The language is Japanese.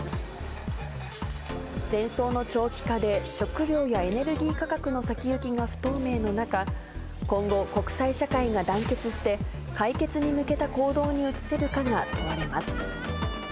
戦争の長期化で、食料やエネルギー価格の先行きが不透明の中、今後、国際社会が団結して、解決に向けた行動に移せるかが問われます。